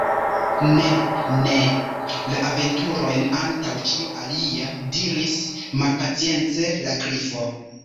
"Ne, ne! la aventurojn antaŭ ĉio alia," diris malpacience la Grifo.